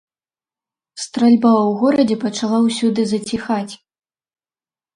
Стральба ў горадзе пачала ўсюды заціхаць.